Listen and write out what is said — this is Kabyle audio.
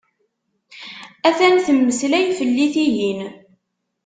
Atan temmeslay fell-i tihin.